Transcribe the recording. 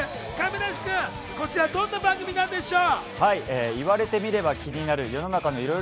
亀梨くん、こちらどんな番組なんでしょう？